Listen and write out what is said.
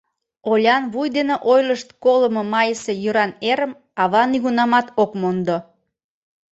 Олян вуй дене ойлышт колымо майысе йӱран эрым ава нигунамат ок мондо.